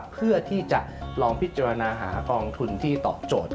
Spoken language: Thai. เพื่อที่จะลองพิจารณาหากองทุนที่ตอบโจทย